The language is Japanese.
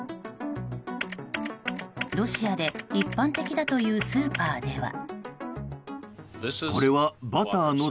ロシアで一般的だというスーパーでは。